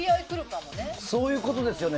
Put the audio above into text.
そういうことですよね。